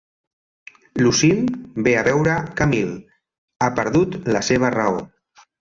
Lucile ve a veure Camille; ha perdut la seva raó.